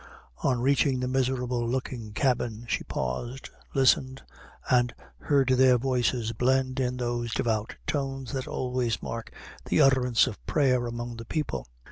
On reaching the miserable looking cabin, she paused, listened, and heard their voices blend in those devout tones that always mark the utterance of prayer among the people.